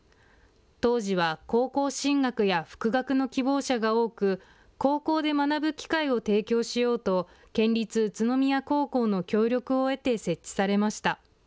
当時は高校進学や復学の希望者が多く、高校で学ぶ機会を提供しようと県立宇都宮高校の協力を得て設置されました。